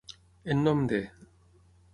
En nom de.